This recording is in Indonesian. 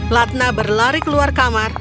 latna berlari keluar kamar